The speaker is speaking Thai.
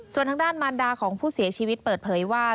ส่วนทางด้านมารดาของผู้เสียชีวิตเปิดเผยว่า